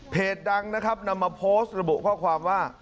ดังนะครับนำมาโพสต์ระบุข้อความว่า